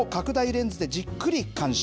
レンズでじっくり観賞。